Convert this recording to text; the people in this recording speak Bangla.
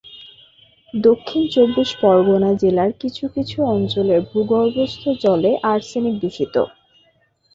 দক্ষিণ চব্বিশ পরগনা জেলার কিছু কিছু অঞ্চলের ভূগর্ভস্থ জলে আর্সেনিক-দূষিত।